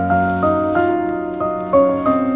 aku mau ke sana